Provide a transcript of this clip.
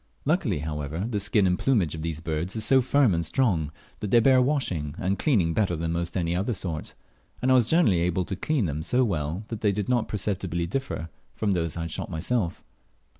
Luckily, however, the skin and plumage of these birds is so firm and strong, that they bear washing and cleaning better than almost any other sort; and I was generally able to clean them so well that they did not perceptibly differ from those I had shot myself.